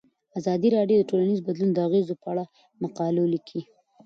ازادي راډیو د ټولنیز بدلون د اغیزو په اړه مقالو لیکلي.